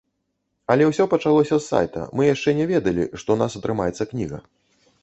Але ўсё пачалося з сайта, мы яшчэ не ведалі, што ў нас атрымаецца кніга.